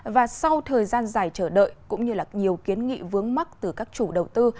và sau thời gian dài chờ đợi cũng như là nhiều kiến nghị vướng mắc từ các chủ đầu tư